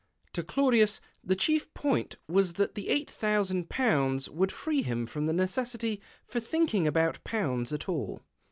To Claudius the chief point was that the eight thousand pounds would free him from the necessity for thinking about pounds at all.